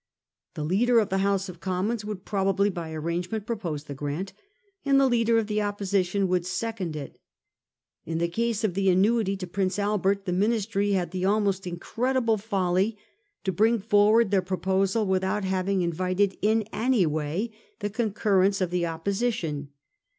The leader of the House of Commons would probably, by arrangement, propose the grant, and the leader of the Opposition would second it. In the case of the annuity to Prince Albert, the Ministry had the almost incredible folly to bring forward their proposal with out having invited in any way the concurrence of the Opposition.